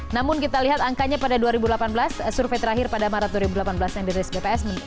namun kita lihat angkanya pada dua ribu delapan belas survei terakhir pada maret dua ribu delapan belas yang dirilis bps